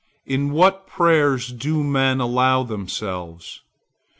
In what prayers do men allow themselves!